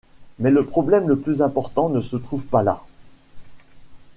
Mais le problème le plus important ne se trouve pas là.